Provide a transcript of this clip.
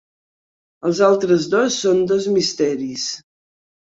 Els altres dos són dos misteris.